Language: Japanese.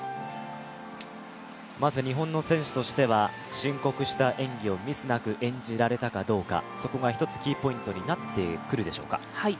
まず日本の選手としては申告した演技をミスなく演じられたかどうか、そこが一つキーポイントになってくるでしょうか。